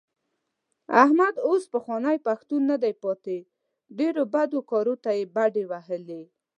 احمد اوس پخوانی پښتون نه دی پاتې. ډېرو بدو کارو ته یې بډې وهلې.